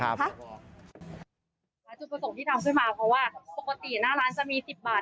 จุดประสงค์ที่ทำขึ้นมาเพราะว่าปกติหน้าร้านจะมี๑๐บาท